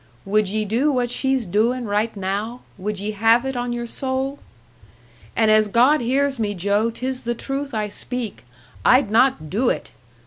Would ye do what she's doin' right now would ye have it on your soul? And as God hears me, Joe, 'tis the truth I speak I'd not do it!